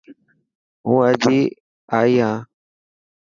هون اڄ ائي هان.